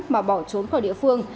mà bỏ trốn khỏi địa phương